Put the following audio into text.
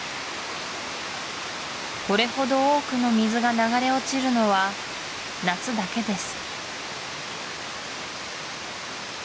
これほど多くの水が流れ落ちるのは夏だけです